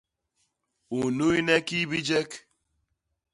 U nnuyne kii bijek?